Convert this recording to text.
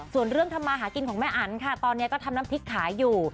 ส่วนเรื่องทำมาหากินของแม่อันค่ะตอนนี้ก็ทำน้ำพริกขายอยู่